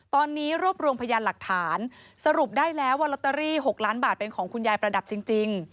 ตอนนี้รวบรวมพยานหลักฐานสรุปได้แล้วว่าลอตเตอรี่๖ล้านบาทเป็นของคุณยายประดับจริง